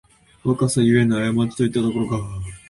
若さゆえのあやまちといったところか